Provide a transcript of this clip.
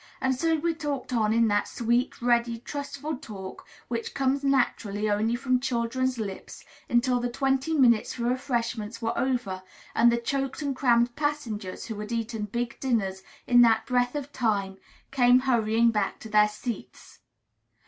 And so we talked on in that sweet, ready, trustful talk which comes naturally only from children's lips, until the "twenty minutes for refreshments" were over, and the choked and crammed passengers, who had eaten big dinners in that breath of time, came hurrying back to their seats.